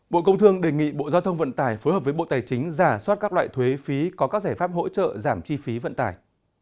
bộ công thương đề nghị bộ giao thông vận tải phối hợp với bộ tài chính giả soát các loại thuế phí có các giải pháp hỗ trợ giảm chi phí vận tải